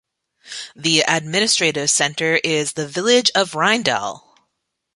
The administrative centre is the village of Rindal.